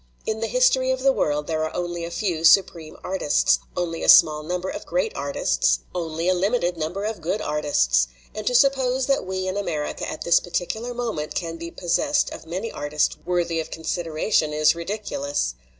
In the history of the world there are only a few supreme artists, only a small number of great artists, only a limited number of good artists. And to suppose that we in America at this partic ular moment can be possessed of many artists worthy of consideration is ridiculous.